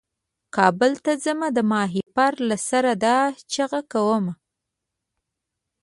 کابل ته ځمه د ماهیپر له سره دا چیغه کومه.